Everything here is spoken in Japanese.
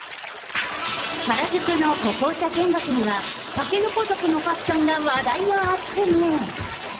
原宿の歩行者天国には、竹の子族のファッションが話題を集め。